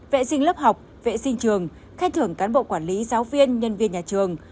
vệ sinh lớp học vệ sinh trường khen thưởng cán bộ quản lý giáo viên nhân viên nhà trường